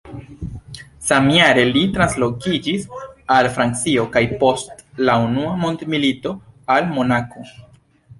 Samjare li translokiĝis al Francio kaj post la Unua Mondmilito al Monako.